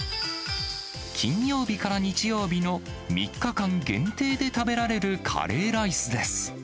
金曜日から日曜日の３日間限定で食べられるカレーライスです。